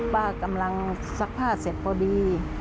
ป้ากำลังซักผ้าเสร็จพอดี